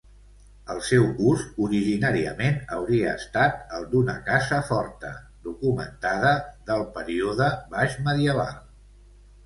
El seu ús originàriament hauria estat el d'una casa forta documentada del període baixmedieval.